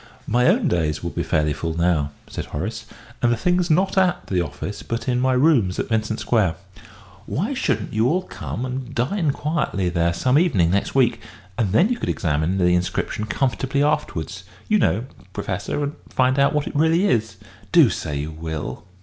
"My own days will be fairly full now," said Horace; "and the thing's not at the office, but in my rooms at Vincent Square. Why shouldn't you all come and dine quietly there some evening next week, and then you could examine the inscription comfortably afterwards, you know, Professor, and find out what it really is? Do say you will."